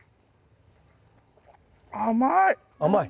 甘い！